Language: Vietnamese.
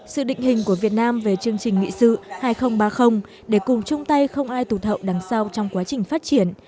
sự định hình của việt nam về chương trình nghị sự hai nghìn ba mươi để cùng chung tay không ai tụt hậu đằng sau trong quá trình phát triển